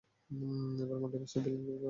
এখন মাল্টিভার্সের ভিলেনগুলোকে ধরা যাক।